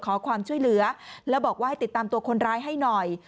ขอความช่วยเหลือแล้วบอกว่าให้ติดตามตัวคนร้ายให้หน่อย